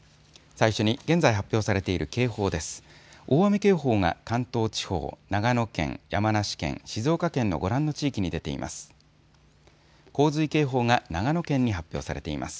最初に現在発表されている警報です。